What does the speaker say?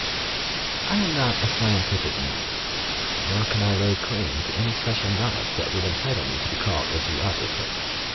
I AM not a scientific man, nor can I lay claim to any special tnowledge that would entitle me to be called a " Geographer."